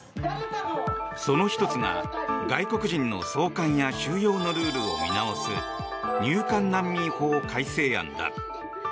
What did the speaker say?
その１つが、外国人の送還や収容のルールを見直す入管難民法改正案だ。